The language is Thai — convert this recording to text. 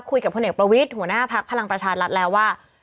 คุยกับผัวเนกประวิทธิ์หัวหน้าภักดิ์พลังประชาติรัฐแล้วว่า